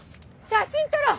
写真撮ろう！